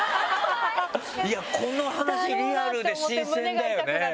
この話リアルで新鮮だよね！